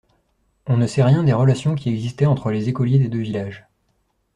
On ne sait rien des relations qui existaient entre les écoliers des deux villages.